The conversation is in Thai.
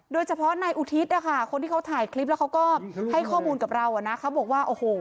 โดยเฉพาะในอุทิศนะคะคนที่เขาถ่ายคลิปแล้วก็